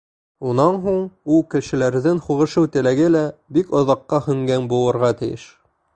Унан һуң ул кешеләрҙең һуғышыу теләге лә бик оҙаҡҡа һүнгән булырға тейеш.